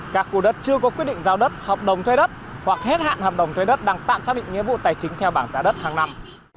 các khu đất chưa có quyết định giao đất hợp đồng thuê đất hoặc hết hạn hợp đồng thuê đất đang tạm xác định nghĩa vụ tài chính theo bảng giá đất hàng năm